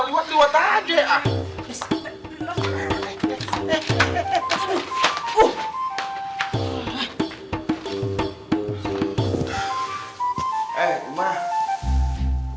lihat lihat aja aang